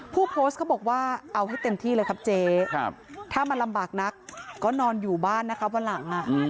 ผู้โพสต์เขาบอกว่าเอาให้เต็มที่เลยครับเจ๊ถ้ามันลำบากนักก็นอนอยู่บ้านนะครับวันหลัง